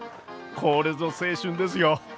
これぞ青春ですよ！